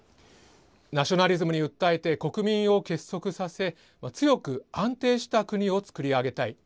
ナショナリズムに訴えて、国民を結束させ、強く安定した国を造り上げたい。